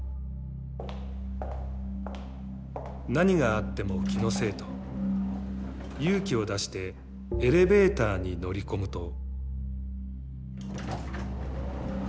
何があっても気のせいと勇気を出してエレベーターに乗り込むと。